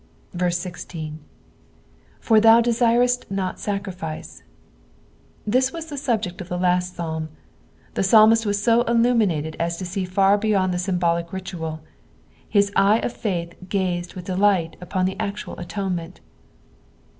'' 16. " For thou daireit not mier\fiee." This was the subject of the last Psalm. The psalmistwas so illuminated as to see far beyond the symbolic ritual j his eye of faith gazed with delight upon the octtul atonement.